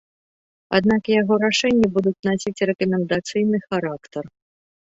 Аднак яго рашэнні будуць насіць рэкамендацыйны характар.